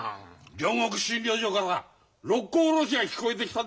両国診療所から「六甲おろし」が聞こえてきたんだよ。